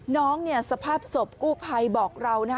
น้องเนี่ยสภาพศพกู้ภัยบอกเรานะ